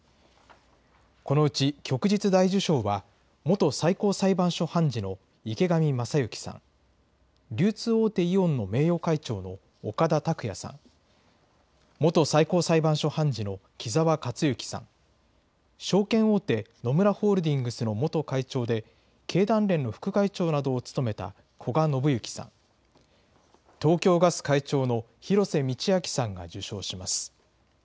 このうち、旭日大綬章は、元最高裁判所判事の池上政幸さん、流通大手、イオンの名誉会長の岡田卓也さん、元最高裁判所判事の木澤克之さん、証券大手、野村ホールディングスの元会長で経団連の副会長などを務めた古賀信行さん、東京ガス会長の広瀬道明さんが受章します。